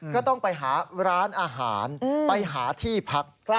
ก็ต้องไปหาร้านอาหารไปหาที่พัก